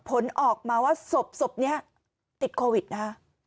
ผลออกมาว่าศพนี้ติดโควิดนะคะ